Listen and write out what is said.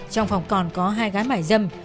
trong phòng còn có hai gái mải dâm